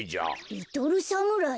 リトルサムライ？